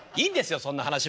そんな話は。